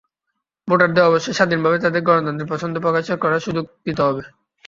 ভোটারদের অবশ্যই স্বাধীনভাবে তাঁদের গণতান্ত্রিক পছন্দ প্রকাশের করার সুযোগ দিতে হবে।